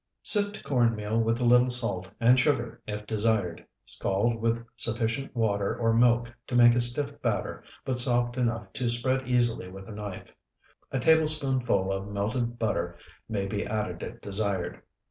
Sift corn meal with a little salt, and sugar if desired; scald with sufficient water or milk to make a stiff batter, but soft enough to spread easily with a knife. A tablespoonful of melted butter may be added if desired.